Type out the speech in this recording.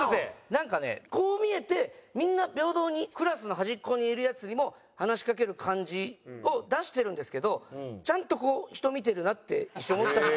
なんかねこう見えてみんな平等にクラスの端っこにいるヤツにも話しかける感じを出してるんですけどちゃんとこう人見てるなって一瞬思った。